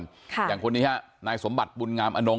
อย่างคนนี้ฮะนายสมบัติบุญงามอนง